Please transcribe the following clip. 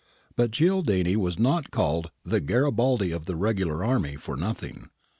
But Cialdini was not called * the Garibaldi of the regular army ' for noth ing.